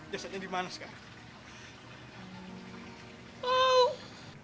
jasanya dimana sekarang